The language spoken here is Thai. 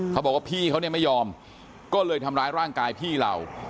เขาบอกว่าพี่เขาเนี่ยไม่ยอมก็เลยทำร้ายร่างกายพี่เรา